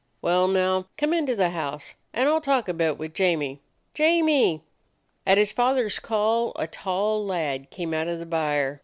"Well, now. Come into the house, and I 'll talk a bit with Jamie. Jamie!" At his father's call a tall lad came out of the byre.